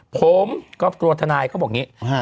ผมกับตัวทนายเขาบอกอย่างนี้